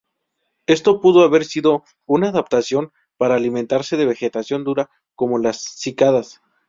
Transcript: Esto pudo haber sido una adaptación para alimentarse de vegetación dura como las cícadas.